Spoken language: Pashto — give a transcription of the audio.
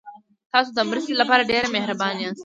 تاسو د مرستې لپاره ډېر مهربانه یاست.